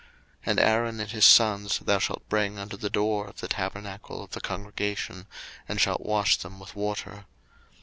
02:029:004 And Aaron and his sons thou shalt bring unto the door of the tabernacle of the congregation, and shalt wash them with water.